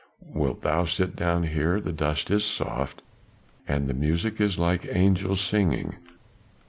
Wilt thou sit down here? the dust is soft, and the music is like angels singing."